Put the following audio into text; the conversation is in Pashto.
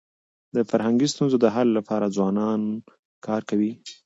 د فرهنګي ستونزو د حل لپاره ځوانان کار کوي.